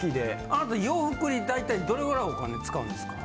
あなた洋服に大体どれぐらいお金使うんですか？